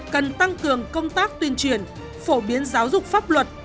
cần tăng cường công tác tuyên truyền phổ biến giáo dục pháp luật